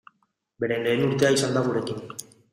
Beren lehen urtea izan da gurekin.